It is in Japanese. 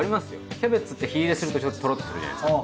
キャベツって火入れするとちょっとトロッとするじゃないですか。